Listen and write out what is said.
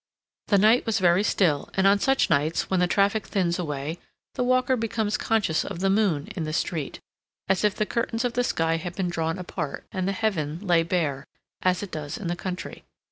The night was very still, and on such nights, when the traffic thins away, the walker becomes conscious of the moon in the street, as if the curtains of the sky had been drawn apart, and the heaven lay bare, as it does in the country.